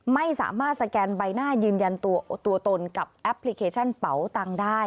ไม่สามารถสแกนใบหน้ายืนยันตัวตนกับแอปพลิเคชันเป๋าตังค์ได้